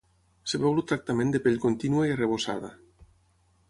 Es veu el tractament de pell contínua i arrebossada.